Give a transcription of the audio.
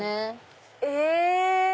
え